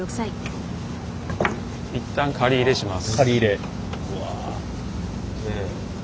一旦仮入れします。